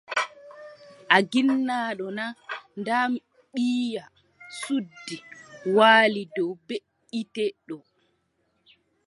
A ginnaaɗo naa, ndaa ɓiya suddi waali dow beʼitte too.